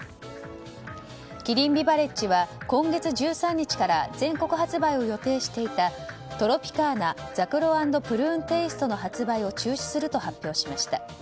キリンビバレッジは今月１３日から全国発売を予定していたトロピカーナざくろ＆プルーンテイストの発売を中止すると発表しました。